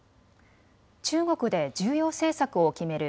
中国で重要政策を決める